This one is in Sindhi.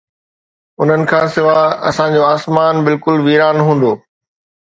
انهن کان سواءِ اسان جو آسمان بلڪل ويران هوندو